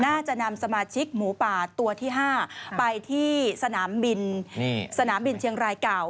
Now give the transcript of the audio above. น่าจะนำสมาชิกหมูป่าตัวที่๕ไปที่สนามบินสนามบินเชียงรายเก่า